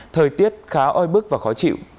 thời tiết khá oi bức và khó chịu